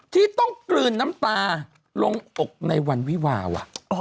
ที่ต้องกลืนน้ำตาลงอกในวันวิวาว่ะ